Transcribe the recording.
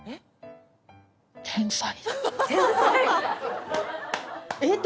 天才？